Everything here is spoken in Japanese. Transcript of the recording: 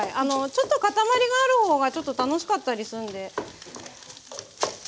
ちょっと塊がある方がちょっと楽しかったりするんで。